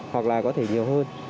hoặc là có thể nhiều hơn